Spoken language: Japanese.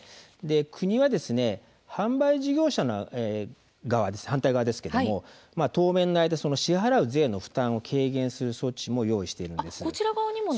国は販売事業者の側にも当面の間支払う税の負担を軽減する措置も用意しているんです。